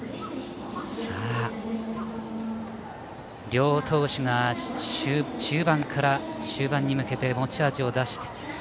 両投手が中盤から終盤に向け持ち味を出します。